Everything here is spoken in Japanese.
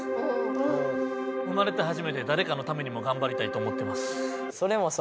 生まれて初めてだれかのためにもがんばりたいと思ってます。